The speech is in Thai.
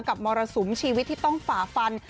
มรสุมชีวิตที่ต้องฝ่าฟัน